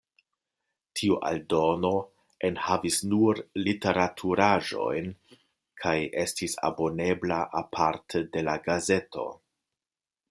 Tiu aldono enhavis nur literaturaĵojn kaj estis abonebla aparte de la gazeto.